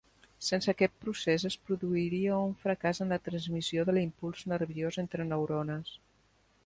Sense aquest procés, es produiria un fracàs en la transmissió de l'impuls nerviós entre neurones.